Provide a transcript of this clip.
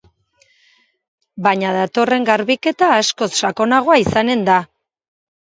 Baina datorren garbiketa askoz sakonagoa izanen da.